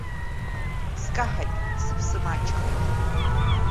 Скаҳаит, сыԥсы маҷхеит.